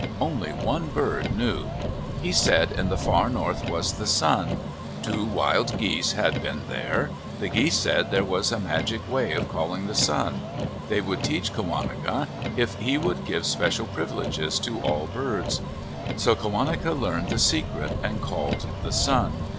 Only one bird knew. He said in the far north was the sun. Two wild geese had been there. The geese said there was a magic way of calling the sun. They would teach Qawaneca if he would give special privileges to all birds. So Qawaneca learned the secret and called the sun.